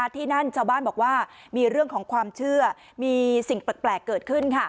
ที่นั่นชาวบ้านบอกว่ามีเรื่องของความเชื่อมีสิ่งแปลกเกิดขึ้น